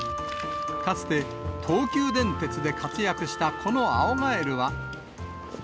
かつて、東急電鉄で活躍したこの青ガエルは。